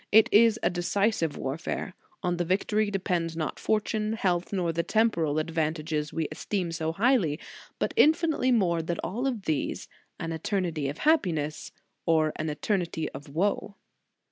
It is a decisive warfare; on the victory depends not fortune, health, nor the temporal advantages we es teem so highly, but infinitely more than all those an eternity of happiness, or an eter nity of woe.